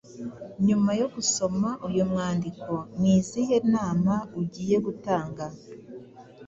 Nyuma yo gusoma uyu mwandiko ni izihe nama ugiye gutanga